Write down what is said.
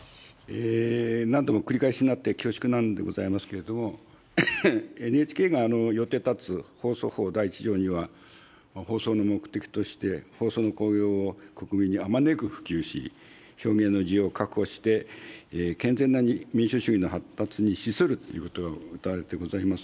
何度も繰り返しになって恐縮なんでございますけれども、ＮＨＫがよって立つ放送法第１条には、放送の目的として、放送の効用を国民にあまねく普及し、表現の自由を確保して、健全な民主主義の発達に資するということがうたわれてございます。